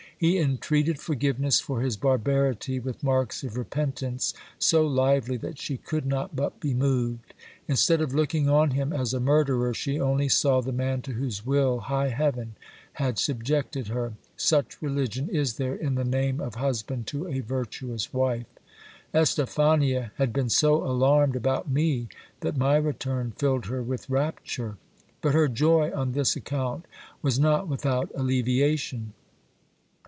He entreated forgiveness for his barbarity with marks of repentance so lively, that she could not but be moved. Instead of looking on him as a murderer, she only saw the man to whose will high heaven had subjected her ; such religion is there in the name of husband THE EMOLUMENTS OF OFFICE. 295 to a virtuous wife ! Estephania had been so alarmed about me, that my return filled her with rapture. But her joy on this account was not without alleviation.